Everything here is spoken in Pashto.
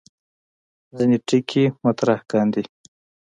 ځینې ټکي مطرح کاندي.